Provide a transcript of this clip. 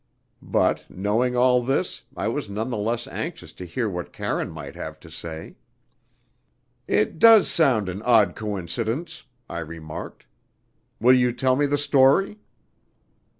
But, knowing all this, I was none the less anxious to hear what Karine might have to say. "It does sound an odd coincidence," I remarked. "Will you tell me the story?"